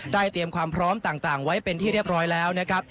เตรียมความพร้อมต่างไว้เป็นที่เรียบร้อยแล้วนะครับ